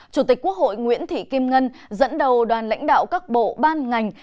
chủ tịch quốc hội nguyễn thị kim ngân dẫn đầu đoàn lãnh đạo các bộ ban ngành